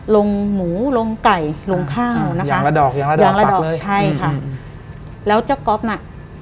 ลงหมูลงไก่ลงข้างนะคะใช่ค่ะอย่างละดอกแล้วเจ้าก๊อบน่ะ